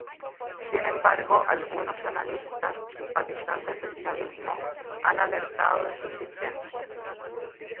Sin embargo, algunos analistas simpatizantes del chavismo han alertado de su existencia.